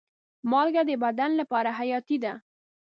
مالګه د بدن لپاره حیاتي ده.